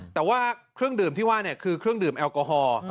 แต่ว่าเครื่องดื่มที่ว่าคือเครื่องดื่มแอลกอฮอล์